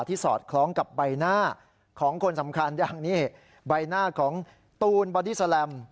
สอดคล้องกับใบหน้าของคนสำคัญอย่างนี้ใบหน้าของตูนบอดี้แลม